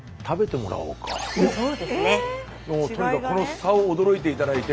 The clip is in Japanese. もうとにかくこの差を驚いて頂いて。